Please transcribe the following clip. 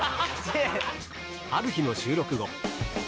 ある日の収録後。